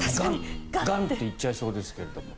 ガンッて行っちゃいそうですが。